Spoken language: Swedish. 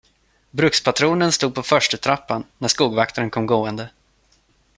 Brukspatronen stod på förstutrappan, när skogvaktaren kom gående.